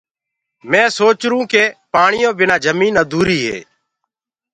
مينٚ سوچهيرو ڪي پآڻيو بنآ جمين اڌوريٚ هي اور